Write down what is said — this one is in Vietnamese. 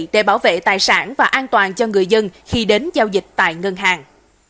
để bảo vệ tài sản và an toàn cho người dân khi đến giao dịch tại ngân hàng